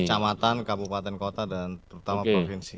kecamatan kabupaten kota dan terutama provinsi